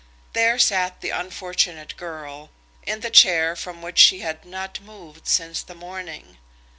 There sat the unfortunate girl, in the chair from which she had not moved since the morning.